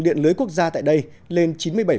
điện lưới quốc gia tại đây lên chín mươi bảy